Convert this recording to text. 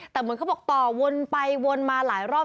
แต่เหมือนเขาบอกต่อวนไปวนมาหลายรอบ